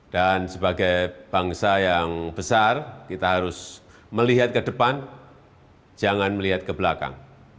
dan sebagai bangsa yang besar kita harus melihat ke depan jangan melihat ke belakang